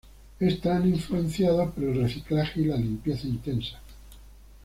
Están influenciados por el reciclaje y la limpieza intensa.